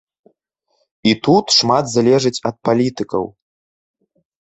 І тут шмат залежыць ад палітыкаў.